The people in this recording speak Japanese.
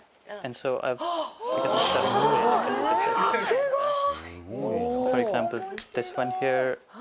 すごい！